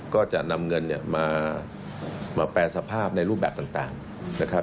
ก็จะนำเงินเนี่ยมาแปรสภาพในรูปแบบต่างนะครับ